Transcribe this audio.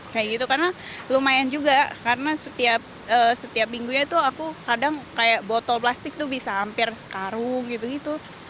kayak gitu karena lumayan juga karena setiap minggunya tuh aku kadang kayak botol plastik tuh bisa hampir sekarung gitu gitu